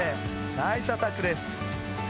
ナイスアタックです。